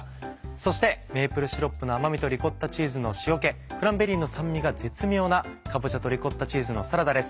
そしてメープルシロップの甘みとリコッタチーズの塩気クランベリーの酸味が絶妙な「かぼちゃとリコッタチーズのサラダ」です。